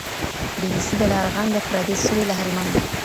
بې نصیبه له ارغنده پردی سوی له هلمنده